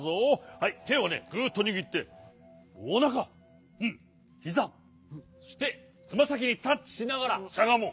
はいてをねグーッとにぎっておなかひざそしてつまさきにタッチしながらしゃがもう。